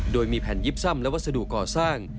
โดยมีแผ่นยิบซ่ำและวัสดุก่อสร้าง